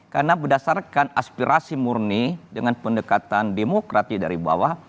karena berdasarkan aspirasi murni dengan pendekatan demokrati dari bawah